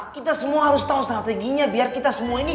kita semua harus tahu strateginya biar kita semua ini